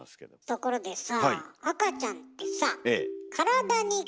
ところでさぁ